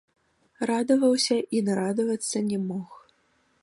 Радаваўся і нарадавацца не мог.